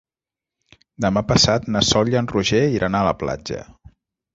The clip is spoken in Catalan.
Demà passat na Sol i en Roger iran a la platja.